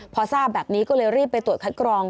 พอทราบแบบนี้ก็เลยรีบไปตรวจคัดกรอง